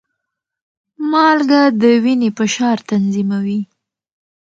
مالګه د وینې فشار تنظیموي.